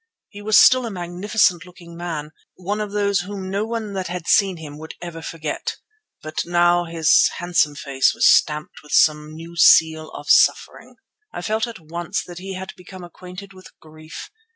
He was still a magnificent looking man, one of those whom no one that had seen him would ever forget, but now his handsome face was stamped with some new seal of suffering. I felt at once that he had become acquainted with grief.